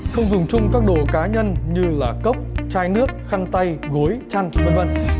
không dùng chung các đồ cá nhân như là cốc chai nước khăn tay gối chăn v v